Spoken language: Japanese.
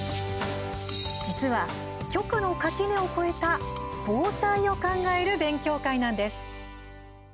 実は、局の垣根を超えた防災を考える勉強会なんです。